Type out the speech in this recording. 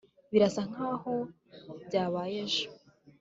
birasa nkaho byabaye ejo